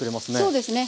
そうですね。